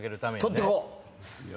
取ってこう！